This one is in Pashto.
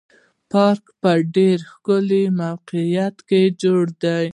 پارک په ډېر ښکلي موقعیت کې جوړ دی.